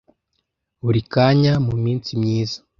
buri kanya muminsi myiza